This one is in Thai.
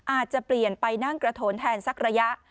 อาจจะเปลี่ยนไปนั่งกระโทนแทนสักระยะ